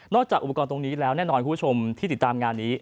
ไม่ว่าตอนนี้แล้วแน่นอนคุณผู้ชมที่ติดตามงานนี้